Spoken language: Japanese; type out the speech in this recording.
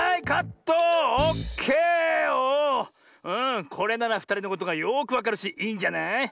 うんこれならふたりのことがよくわかるしいいんじゃない？